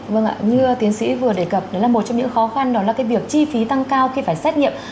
vâng ạ như tiến sĩ vừa đề cập đấy là một trong những khó khăn đó là cái việc chi phí tăng cao khi phải xét nghiệm